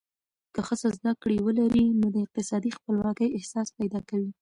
که ښځه زده کړه ولري، نو د اقتصادي خپلواکۍ احساس پیدا کوي.